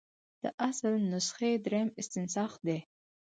د اصل نسخې دریم استنساخ دی.